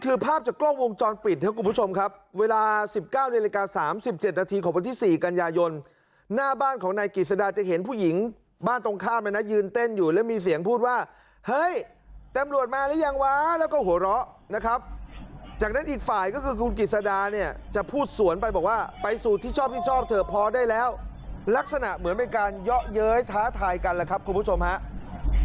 คุณผู้ชายก็คิดว่าคุณผู้ชายก็คิดว่าคุณผู้ชายก็คิดว่าคุณผู้ชายก็คิดว่าคุณผู้ชายก็คิดว่าคุณผู้ชายก็คิดว่าคุณผู้ชายก็คิดว่าคุณผู้ชายก็คิดว่าคุณผู้ชายก็คิดว่าคุณผู้ชายก็คิดว่าคุณผู้ชายก็คิดว่าคุณผู้ชายก็คิดว่าคุณผู้ชายก็คิดว่าคุณผู้ชายก็คิดว